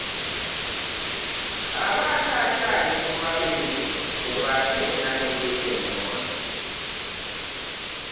Aba ate akyali ku mabeere olwo ate n'alengera emimwa.